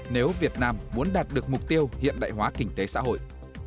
nếu việt nam muốn đạt được mục tiêu hiện đại hóa kinh tế xã hội